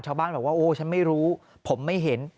ชาวบ้านบอกว่าโอ้ฉันไม่รู้ผมไม่เห็น